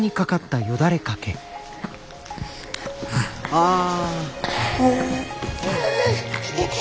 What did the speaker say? ああ。